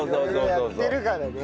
色々やってるからね。